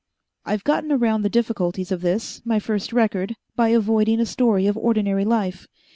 "I've gotten around the difficulties of this, my first record, by avoiding a story of ordinary life.